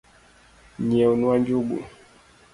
Nyiewna njungu.